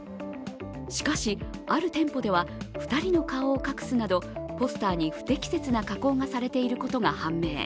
しかし、ある店舗では２人の顔を隠すなど、ポスターに不適切な加工がされていることが判明。